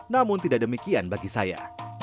namun tidak demikian bagi saya